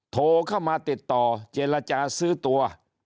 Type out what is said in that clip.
โทรเข้ามาติดต่อเจรจาซื้อตัว